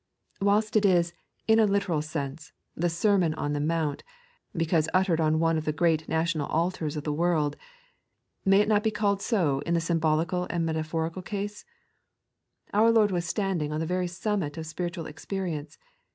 Whilst it is, in a literal sense, "the Sermon on the Mount," because uttered on one of the great natural altars of the world, may it not be called so in the symbolical and metaphorical case) Our Lord was standing on the very summit of spiritual experience.